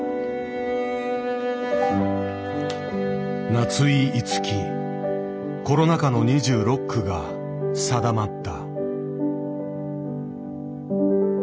夏井いつきコロナ禍の２６句が定まった。